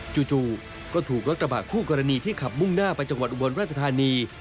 จู่ก็ถูกรถกระบะคู่กรณีที่ขับมุ่งหน้าไปจังหวัดอุบลราชธานี